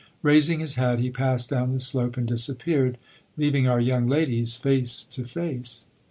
Raising his hat, he passed down the slope and disappeared, leaving our young ladies face to face.